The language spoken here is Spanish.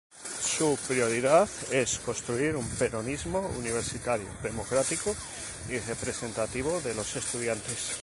Su prioridad es construir un peronismo universitario democrático y representativo de los estudiantes.